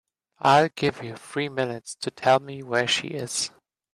I'll give you three minutes to tell me where she is.